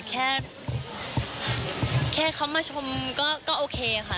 แค่แค่เขามาชมก็โอเคค่ะ